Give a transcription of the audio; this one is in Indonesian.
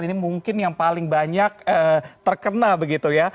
ini mungkin yang paling banyak terkena begitu ya